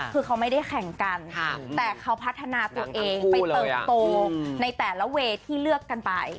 คือเขาไม่ได้แข่งกันแต่เขาพัฒนาตัวเองไปเติบโตในแต่ละเวย์ที่เลือกกันไป